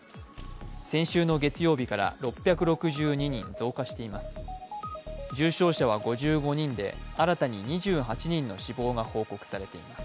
先週の月曜日から６６２人増加しています。